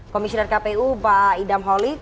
komisioner kpu pak idam holik